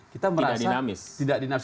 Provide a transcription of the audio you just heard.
kita merasa tidak dinamis